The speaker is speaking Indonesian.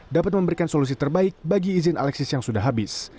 dapat memberikan solusi terbaik bagi izin alexis yang sudah habis